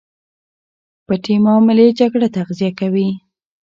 پټې معاملې جګړه تغذیه کوي.